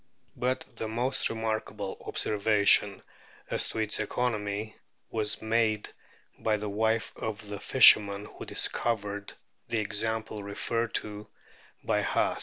But the most remarkable observa tion as to its economy was made by the wife of the fisherman who discovered the example referred to by Haast.